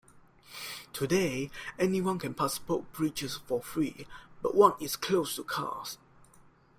Today, anyone can pass both bridges for free, but one is closed to cars.